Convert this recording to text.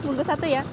minggu satu ya